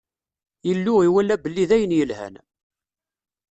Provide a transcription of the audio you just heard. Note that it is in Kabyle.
Illu iwala belli d ayen yelhan.